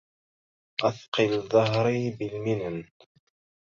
أثقل ظهري بالمنن